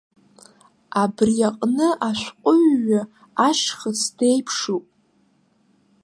Абри аҟны ашәҟәыҩҩы ашьхыц деиԥшуп.